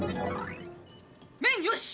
麺よし！